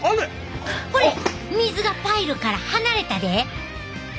ほれ水がパイルから離れたで！